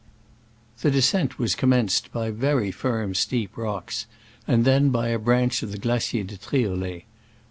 The descent was commenced by very steep, firm rocks, and then by a branch of the Glacier de Triolet.